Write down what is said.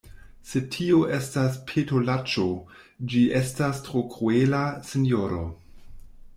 Se tio estas petolaĵo, ĝi estas tro kruela, sinjoro.